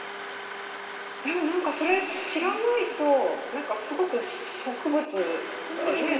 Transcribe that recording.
でもなんかそれ知らないとなんかすごく植物ってねえ